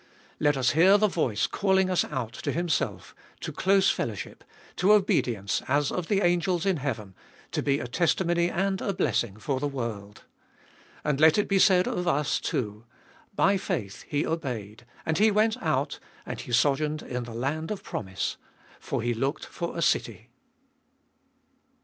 Let us hear the voice calling us out to Himself, to close fellowship, to obedience as of the angels in heaven, to be a testimony and a blessing for the world. And let it be said of us too : By faith he obeyed, and he went out, and he sojourned in the land of promise, for he looked for a city.